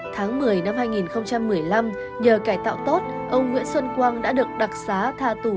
tháng một mươi năm hai nghìn một mươi năm nhờ cải tạo tốt ông nguyễn xuân quang đã được đặc xá tha tù